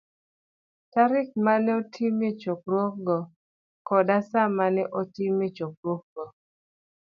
tarik ma ne otimie chokruogno, koda sa ma ne otimie chokruogno